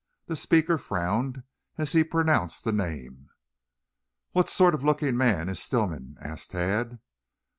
The speaker frowned as he pronounced the name. "What sort of looking man is Stillman?" asked Tad.